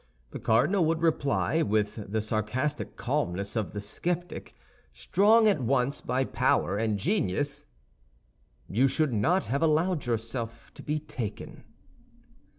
The cardinal would reply, with the sarcastic calmness of the skeptic, strong at once by power and genius, "You should not have allowed yourself to be taken."